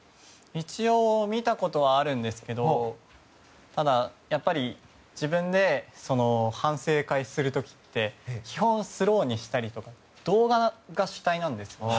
一応、見たことはあるんですけどただ、自分で反省会する時って基本、スローにしたりとか動画が主体なんですよ。